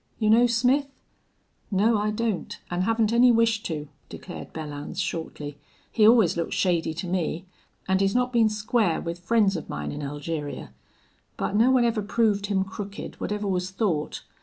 You know Smith?" "No, I don't, an' haven't any wish to," declared Belllounds, shortly. "He always looked shady to me. An' he's not been square with friends of mine in Elgeria. But no one ever proved him crooked, whatever was thought.